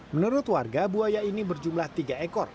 menurut warga buaya ini berjumlah tiga ekor